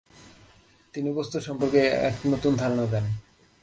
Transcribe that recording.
তিনি বস্তু সম্পর্কে এক নতুন ধারণা দেন।